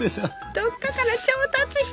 どっかから調達して。